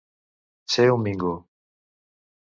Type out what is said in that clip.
Ser un mingo.